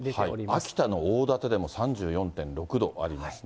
秋田の大館でも３４．６度ありますね。